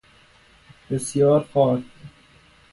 بسیار خوار